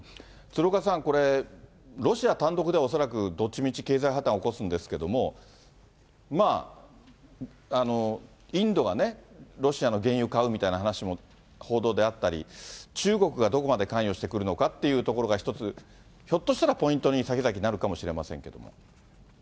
鶴岡さん、ロシア単独では恐らくどっちみち、経済破綻を起こすんですけども、インドがね、ロシアの原油買うみたいな話も報道であったり、中国がどこまで関与してくるのかっていうところが一つ、ひょっとしたらポイントに先々になるかもしれませんけども。